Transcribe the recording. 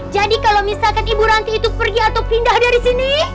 jadi kalau misalkan ibu ranti itu pergi atau pindah dari sini